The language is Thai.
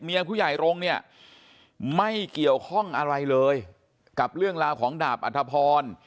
ผู้ใหญ่รงค์เนี่ยไม่เกี่ยวข้องอะไรเลยกับเรื่องราวของดาบอัธพร